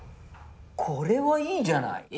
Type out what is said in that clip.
これはいいじゃない！